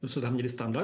sudah menjadi standar